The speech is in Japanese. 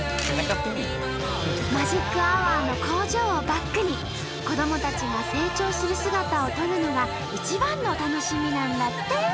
マジックアワーの工場をバックに子どもたちが成長する姿を撮るのが一番の楽しみなんだって！